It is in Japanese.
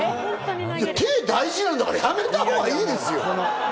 手、大事なんだからやめたほうがいいですよ。